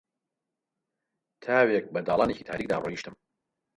تاوێک بە داڵانێکی تاریکدا ڕۆیشتم